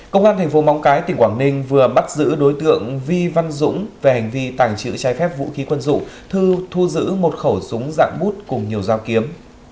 công an thành phố móng cái tỉnh quảng ninh vừa bắt giữ đối tượng vi văn dũng về hành vi tàng trữ trái phép vũ khí quân dụng thư thu giữ một khẩu súng dạng bút cùng nhiều dao kiếm